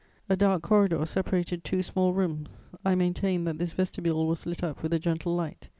A dark corridor separated two small rooms. I maintained that this vestibule was lit up with a gentle light.